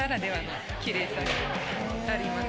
があります。